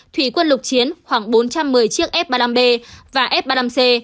thủy quân lục chiến khoảng bốn trăm một mươi chiếc f ba mươi năm b và f ba mươi năm c